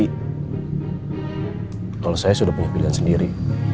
kalau saya sudah punya pilihan sendiri